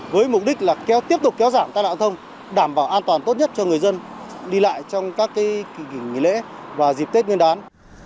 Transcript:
với mục đích là tiếp tục kéo giảm tai nạn giao thông đảm bảo an toàn tốt nhất cho người dân đi lại trong các kỳ nghỉ lễ và dịp tết nguyên đán